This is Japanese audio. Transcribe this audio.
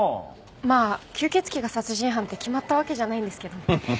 まあ吸血鬼が殺人犯って決まったわけじゃないんですけどね。